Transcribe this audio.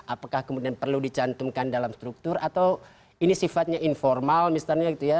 apakah kemudian perlu dicantumkan dalam struktur atau ini sifatnya informal misalnya gitu ya